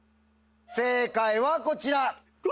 正解はこちら。